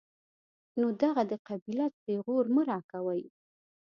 خو دغه د قبيلت پېغور مه راکوئ.